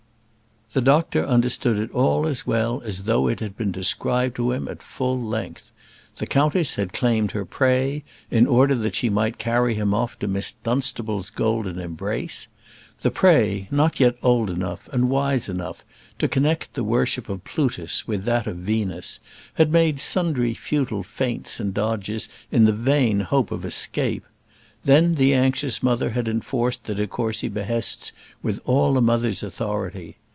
The doctor understood it all as well as though it had been described to him at full length. The countess had claimed her prey, in order that she might carry him off to Miss Dunstable's golden embrace. The prey, not yet old enough and wise enough to connect the worship of Plutus with that of Venus, had made sundry futile feints and dodges in the vain hope of escape. Then the anxious mother had enforced the de Courcy behests with all a mother's authority.